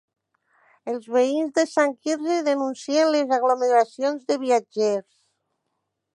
Els veïns de Sant Quirze denuncien les aglomeracions de viatgers.